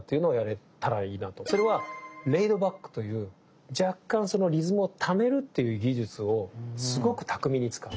それはレイドバックという若干そのリズムを「タメる」っていう技術をすごく巧みに使う。